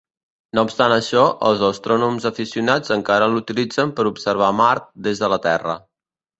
No obstant això, els astrònoms aficionats encara l'utilitzen per observar Mart des de la Terra.